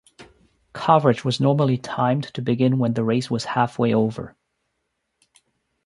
Coverage was normally timed to begin when the race was halfway over.